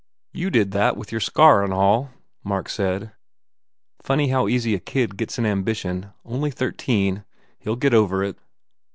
"You did that with your scar and all," Mark said. "Funny how easy a kid gets an ambition. Only thirteen. He ll get over it."